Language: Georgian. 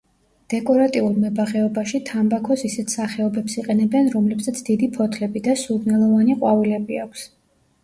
დეკორატიულ მებაღეობაში თამბაქოს ისეთ სახეობებს იყენებენ, რომლებსაც დიდი ფოთლები და სურნელოვანი ყვავილები აქვს.